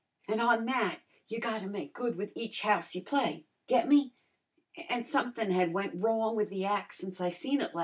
An' on that you gotta make good with each house you play, get me? An' somethin' had went wrong with the ac' since I seen it las'.